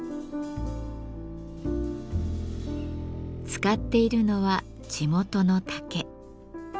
使っているのは地元の竹。